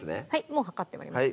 もう量っております